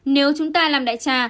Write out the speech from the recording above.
nếu chúng ta làm đại trà